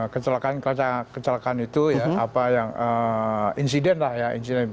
kecelakaan kecelakaan itu ya apa yang insiden lah ya